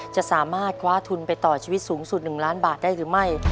จะสามารถคว้าทุนไปต่อชีวิตสูงสุด๑ล้านบาทได้หรือไม่